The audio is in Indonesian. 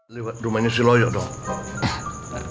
lewat rumahnya si loyo dong